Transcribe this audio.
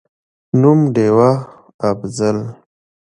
نوم: ډېوه«افضل»